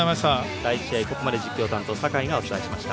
第１試合、ここまで実況担当酒井がお伝えしました。